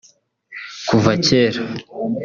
Kuva kera